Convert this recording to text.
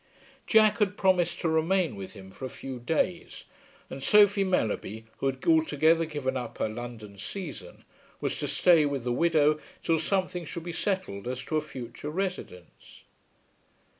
Jack had promised to remain with him for a few days, and Sophie Mellerby, who had altogether given up her London season, was to stay with the widow till something should be settled as to a future residence.